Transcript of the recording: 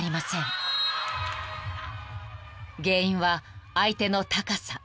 ［原因は相手の高さ］